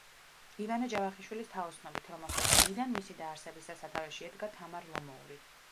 ივანე ჯავახიშვილის თაოსნობით, რომელსაც დღიდან მისი დაარსებისა სათავეში ედგა თამარ ლომოური.